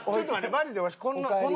マジでわしこの。